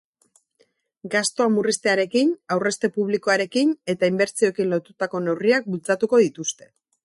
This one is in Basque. Gastua murriztearekin, aurrezte publikoarekin eta inbertsioekin lotutako neurriak bultzatuko dituzte.